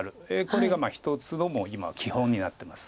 これが一つのもう今は基本になってます。